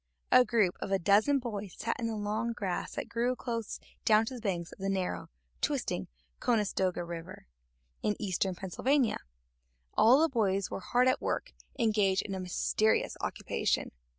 A group of a dozen boys sat in the long grass that grew close down to the banks of the narrow, twisting Conestoga River, in eastern Pennsylvania. All of the boys were hard at work engaged in a mysterious occupation.